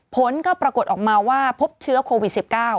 ผลก็ปรากฏออกมาว่าพบเชื้อโควิด๑๙